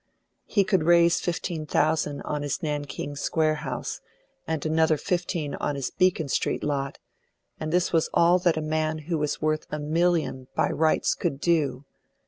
He could raise fifteen thousand on his Nankeen Square house, and another fifteen on his Beacon Street lot, and this was all that a man who was worth a million by rights could do!